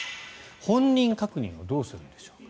本人確認をどうするんでしょうか。